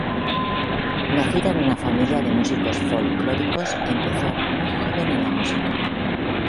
Nacida en una familia de músicos folclóricos, empezó muy joven en la música.